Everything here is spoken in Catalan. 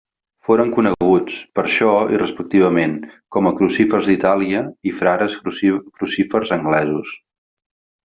Foren coneguts, per això i respectivament, com a Crucífers d'Itàlia i Frares Crucífers Anglesos.